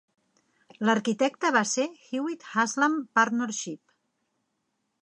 L'arquitecte va ser Hewitt Haslam Partnership.